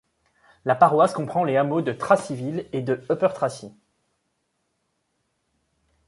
La paroisse comprend les hameaux de Tracyville et de Upper Tracy.